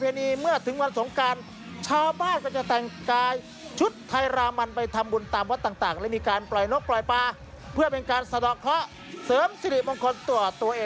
เพื่อเป็นการสะดอกเขาเสริมสิริมงคลตัวเองและครอบครัว